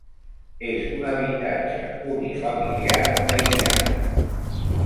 És un habitatge unifamiliar aïllat.